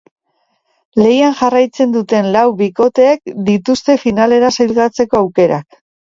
Lehian jarraitzen duten lau bikoteek dituzte finalera sailkatzeko aukerak.